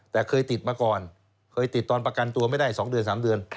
แต่เคยติดมาก่อนเคยติดตอนประกันตัวไม่ได้๒เดือน๓เดือน